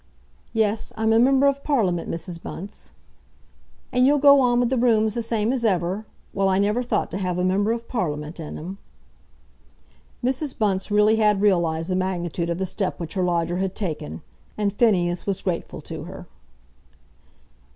"Yes, I'm a member of Parliament, Mrs. Bunce." "And you'll go on with the rooms the same as ever? Well, I never thought to have a member of Parliament in 'em." Mrs. Bunce really had realised the magnitude of the step which her lodger had taken, and Phineas was grateful to her.